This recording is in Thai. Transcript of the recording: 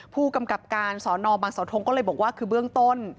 ผู้กำกับการสอนอบังเสาทงก็เลยบอกว่าคือเบื้องต้น